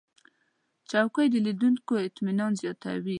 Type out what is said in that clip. چوکۍ د لیدونکو اطمینان زیاتوي.